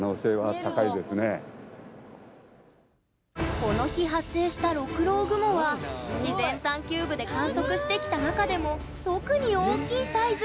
この日、発生した六郎雲は自然探求部で観測してきた中でも特に大きいサイズ。